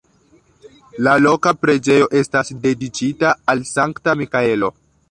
La loka preĝejo estas dediĉita al Sankta Mikaelo.